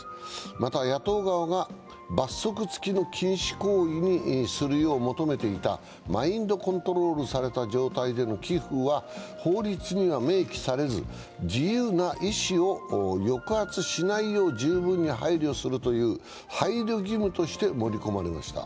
また、野党側が、罰則付きの禁止行為にするよう求めていたマインドコントロールされた状態での寄付は法律には明記されず、自由な意思を抑圧しないよう十分に配慮するという配慮義務として盛り込まれました。